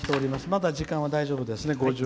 まだ時間は大丈夫ですね。